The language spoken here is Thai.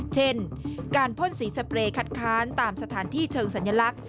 เช่นการพ่นสีสเปรย์คัดค้านตามสถานที่เชิงสัญลักษณ